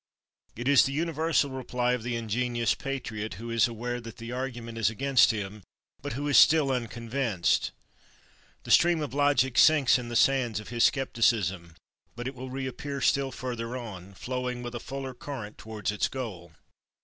It is the universal reply of the ingenious patriot who is aware that the argument is against him, but who is still unconvinced. The stream of logic sinks in the sands of his scepticism, but it will reappear still further on, flowing with a fuller current towards its goal.